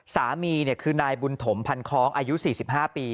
สามีคือนายบุญถมพันคล้องอายุ๔๕ปี